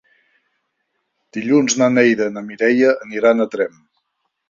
Dilluns na Neida i na Mireia aniran a Tremp.